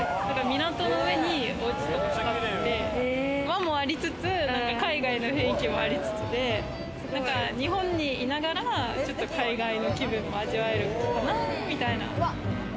港の上にお家とかが建ってるんで、和もありつつ、海外の雰囲気もありつつで、日本にいながら、海外の気分も味わえるかなみたいな。